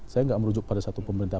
saya tidak merujuk pada satu pemerintah